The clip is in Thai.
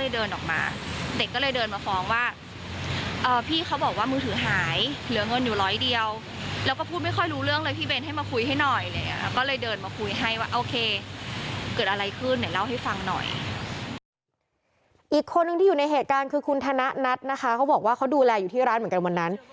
อีกคนนึงที่อยู่ในเหตุการณ์คือคุณธนัทนะคะเขาบอกว่าเขาดูแลอยู่ที่ร้านเหมือนกันวันนั้น